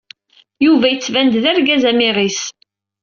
Yuba yettban-d d argaz amiɣis.